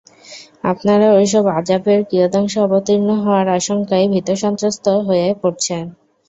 আপনারা ঐসব আযাবের কিয়দংশ অবতীর্ণ হওয়ার আশংকায় ভীত-সন্ত্রস্ত হয়ে পড়েছেন।